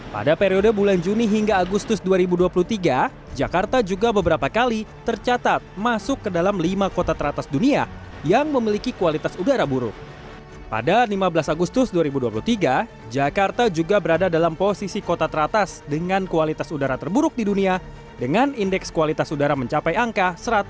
pada tahun dua ribu dua puluh tiga jakarta juga berada dalam posisi kota teratas dengan kualitas udara terburuk di dunia dengan indeks kualitas udara mencapai angka satu ratus delapan puluh